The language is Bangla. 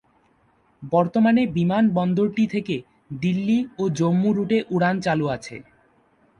বর্তমানে বিমান বন্দরটি থেকে দিল্লি ও জম্মু রুটে উড়ান চালু আছে।